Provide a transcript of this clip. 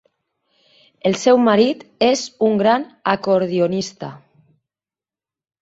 El seu marit és un gran acordionista.